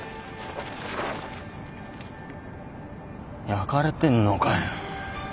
焼かれてんのかよ。